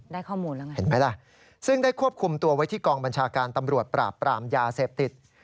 ได้ข้อมูลแล้วไงเห็นไหมล่ะซึ่งได้ควบคุมตัวไว้ที่กองบัญชาการตำรวจปราบปรามยาเสพติด